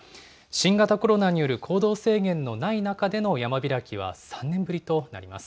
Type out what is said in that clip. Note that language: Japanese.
新型コロナによる行動制限のない中での山開きは３年ぶりとなりま